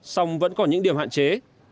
song vẫn còn những điểm hạn chế